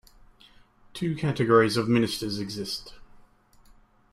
Two categories of ministers exist.